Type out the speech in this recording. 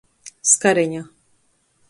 Skareņa.